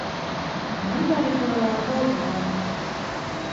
- Уның тарихы... оҙон.